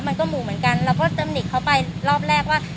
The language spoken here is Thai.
มันก็หมู่เหมือนกันเราก็ตำหนิเขาไปรอบแรกว่า